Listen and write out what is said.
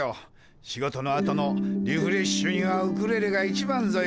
仕事のあとのリフレッシュにはウクレレが一番ぞよ。